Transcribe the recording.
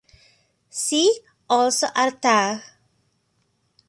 See also Artah.